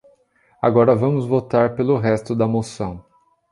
Agora vamos votar pelo resto da moção.